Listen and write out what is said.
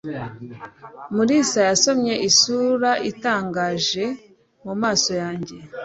Mulisa yasomye isura itangaje mumaso yanjye.